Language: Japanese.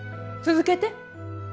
続けて。